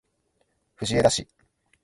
藤枝市